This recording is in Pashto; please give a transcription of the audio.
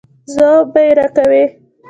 ځواب به یې راکوئ.